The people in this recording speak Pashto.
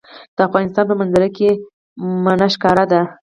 د افغانستان په منظره کې منی ښکاره ده.